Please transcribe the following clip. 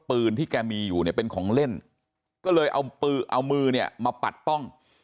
ปืนที่แกมีอยู่เนี่ยเป็นของเล่นก็เลยเอามือเนี่ยมาปัดป้อง